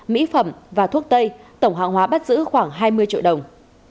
mỹ phẩm và thuốc tây tổng hàng hóa bắt giữ khoảng hai mươi triệu đồng